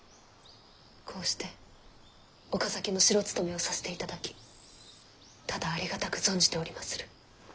こうして岡崎の城勤めをさせていただきただありがたく存じておりまする。